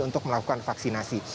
untuk melakukan vaksinasi